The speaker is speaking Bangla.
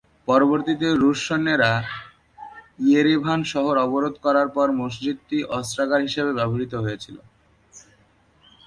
পরবর্তীতে রুশ সৈন্যরা ইয়েরেভান শহর অবরোধ করার পর মসজিদটি অস্ত্রাগার হিসেবে ব্যবহৃত হয়েছিল।